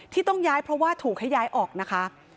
ที่ต้องย้ายเพราะว่าถูกให้ย้ายออกนะคะ